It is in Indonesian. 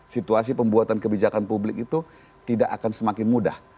situasi pembuatan kebijakan publik itu tidak akan semakin mudah